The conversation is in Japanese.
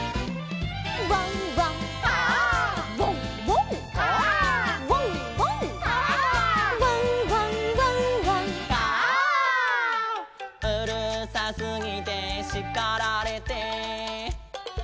「ワンワン」「カァ」「ワンワン」「カァ」「ワンワン」「カァ」「ワンワンワンワン」「カァ」「うるさすぎてしかられて」